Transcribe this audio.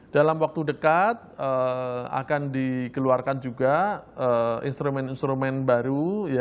dalam waktu dekat akan dikeluarkan juga instrumen instrumen baru